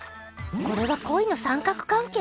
これは恋の三角関係！？